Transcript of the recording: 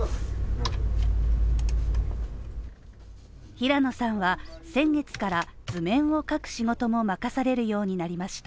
平野さんは先月から図面をかく仕事も任されるようになりました。